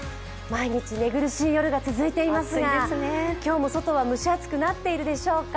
毎日蒸し暑い日が続いていますが今日も外は蒸し暑くなっているでしょうか。